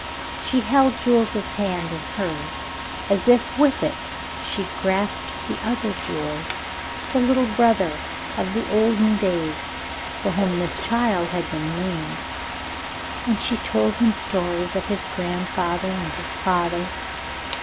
She held Jules's hand in hers, as if with it she grasped the other Jules, the little brother of the olden days for whom this child had been named. And she told him stories of his grandfather and his father.